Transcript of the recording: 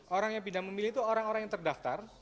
orang yang pindah memilih itu orang orang yang terdaftar